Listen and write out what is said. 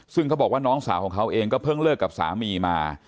ซึ่งเขาบอกว่าน้องสาวของเขาเองก็เพิ่งเลิกกับสามีมา